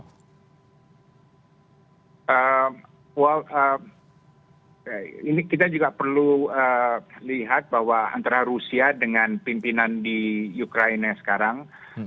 wow ini kita juga perlu lihat bahwa antara rusia dengan pimpinan di ukraina sekarang